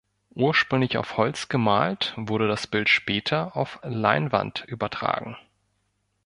Ursprünglich auf Holz gemalt, wurde das Bild später auf Leinwand übertragen.